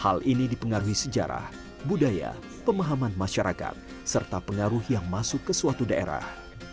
hal ini dipengaruhi sejarah budaya pemahaman masyarakat serta pengaruh yang masuk ke suatu daerah